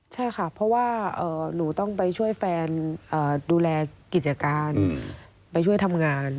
ใช่ค่ะเพราะว่าหนูต้องไปช่วยแฟนดูแลกิจการไปช่วยทำงาน